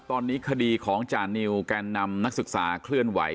ตอนนี้คดีของจานิวแกนนำนักศึกษาเคลื่อนไหว